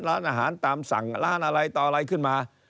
ร้านอาหารตามสั่งร้านอะไรต่ออะไรขึ้นมา